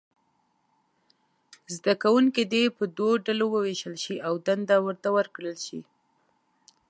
زده کوونکي دې په دوو ډلو وویشل شي او دنده ورته ورکړل شي.